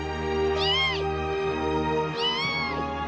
ピー！